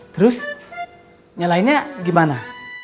terus nyalainnya gimana